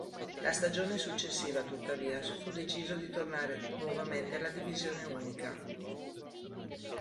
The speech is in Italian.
La stagione successiva, tuttavia, fu deciso di tornare nuovamente alla Divisione unica.